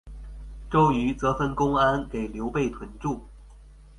周瑜则分公安给刘备屯驻。